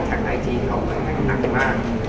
จากไทยจีนเขามันหนักหนักมาก